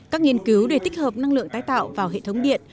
các nghiên cứu để tích hợp năng lượng tái tạo vào hệ thống điện